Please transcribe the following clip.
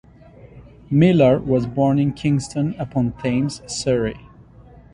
Millar was born in Kingston upon Thames, Surrey.